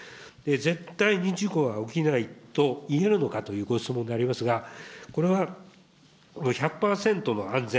絶対に事故は起きないと言えるのかというご質問でありますが、これは、１００％の安全、